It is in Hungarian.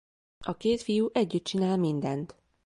A két fiú együtt csinál mindent.